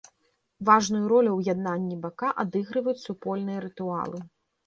Важную ролю ў яднанні бака адыгрываюць супольныя рытуалы.